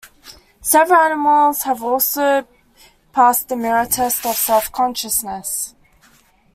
Several animals have also passed the mirror test of self-consciousness.